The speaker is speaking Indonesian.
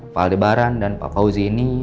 pak al ibaran dan pak fauzi ini